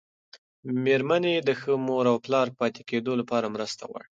مېرمنې د ښه مور او پلار پاتې کېدو لپاره مرسته غواړي.